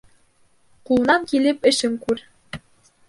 Ҡулынан килеп эшен күр.